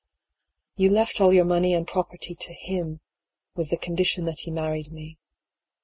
You left all your money and property to Aim, with the condition that he married me.